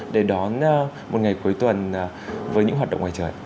để đón một ngày cuối tuần với những hoạt động ngoài trời